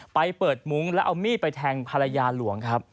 ไปเปิดมุ้งแล้วเอามีดไปแทงภรรยาหลวงครับ